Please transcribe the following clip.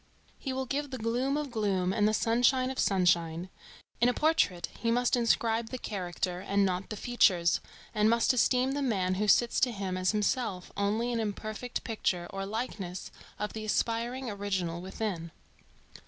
He will give the gloom of gloom and the sunshine of sunshine. In a portrait he must inscribe the character and not the features, and must esteem the man who sits to him as himself only an imperfect picture or likeness of the aspiring original within.